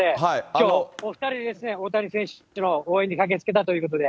きょう、お２人で大谷選手の応援に駆けつけたということで。